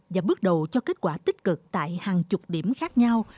và bước đầu cho kết quả tích cực tại hàng chục điểm khác nhau